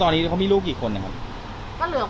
ตอนนี้เขามีลูกกี่คนอ่ะครับก็เหลือคนเดียวไงผู้หญิงอ่ะ